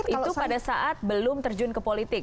itu pada saat belum terjun ke politik